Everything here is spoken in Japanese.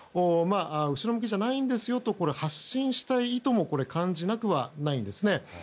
後ろ向きじゃないんですよと発信したい意図も感じなくはないんですね。